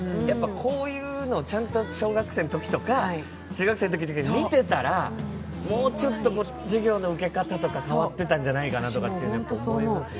こういうのをちゃんと小学生のときとか中学生のときに見てたらもうちょっと授業の受け方とか変わってたんじゃないかなと思いますね。